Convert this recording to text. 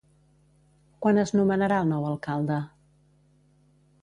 Quan es nomenarà el nou alcalde?